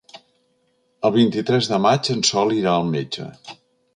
El vint-i-tres de maig en Sol irà al metge.